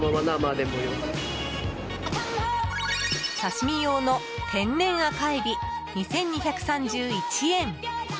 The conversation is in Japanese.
刺身用の天然赤エビ２２３１円。